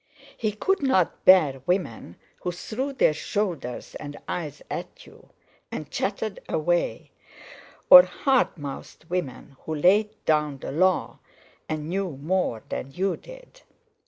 He could not bear women who threw their shoulders and eyes at you, and chattered away; or hard mouthed women who laid down the law and knew more than you did.